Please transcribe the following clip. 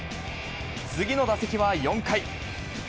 次の打席は４回。